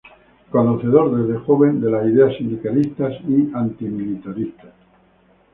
Conocedor desde joven de las ideas sindicalistas y antimilitaristas.